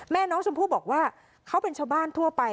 แม่น้องชมพู่บอกว่าเขาเป็นชาวบ้านทั่วไป